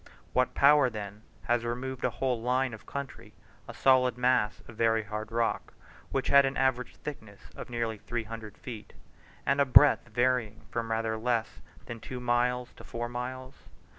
What power, then, has removed along a whole line of country, a solid mass of very hard rock, which had an average thickness of nearly three hundred feet, and a breadth varying from rather less than two miles to four miles?